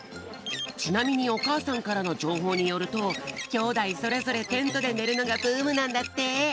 ちなみにおかあさんからのじょうほうによるときょうだいそれぞれテントでねるのがブームなんだって。